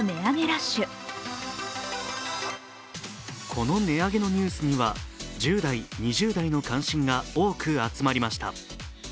この値上げのニュースには１０代、２０代の関心が多く集まりました。